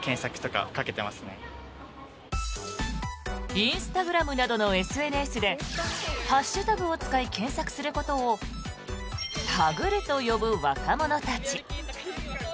インスタグラムなどのＳＮＳでハッシュタグを使い検索することをタグると呼ぶ若者たち。